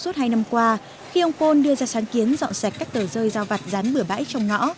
suốt hai năm qua khi ông pol đưa ra sáng kiến dọn sạch các tờ rơi giao vặt rán bửa bãi trong ngõ